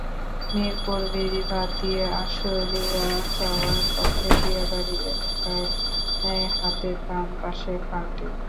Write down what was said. মিরপুর বেড়িবাঁধ দিয়ে আশুলিয়া যাওয়ার পথে দিয়াবাড়ী এলাকায় হাতের ডান পাশে খালটি।